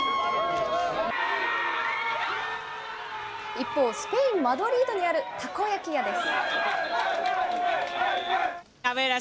一方、スペイン・マドリードにあるたこ焼き屋です。